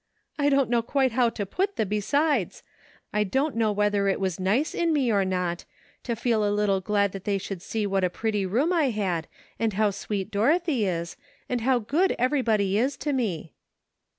" I don't know quite how to put the 'besides.' I don't know whether it was nice in me, or not, to feel a little glad that they should see what a pretty room I had, and how sweet Dorothy is, and how good everybody is to me."